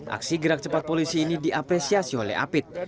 aksi gerak cepat polisi ini diapresiasi oleh apit